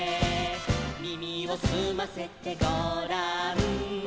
「耳をすませてごらん」